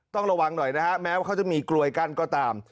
ต้องระวังหน่อยนะฮะแม้ว่าเขาจะมีกลวยกั้นก็ตาม